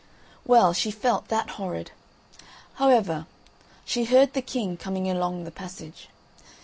Well, she felt that horrid. However, she heard the king coming along the passage.